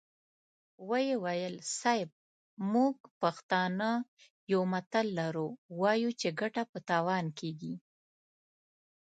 ويې ويل: صيب! موږ پښتانه يو متل لرو، وايو چې ګټه په تاوان کېږي.